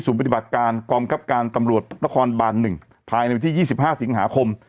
ศูนย์ปฏิบัติการกรรมครับการตำรวจละครบานหนึ่งภายในที่ยี่สิบห้าสิงหาคม